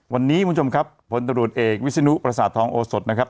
วันนี้คุณผู้ชมครับผลตรวจเอกวิศนุประสาททองโอสดนะครับ